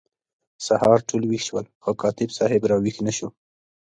سهار ټول ویښ شول خو کاتب صاحب را ویښ نه شو.